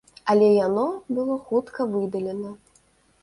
Але яно было хутка выдалена.